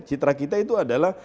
citra kita itu adalah